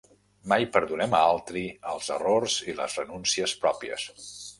Mai perdonem a altri els errors i les renúncies pròpies.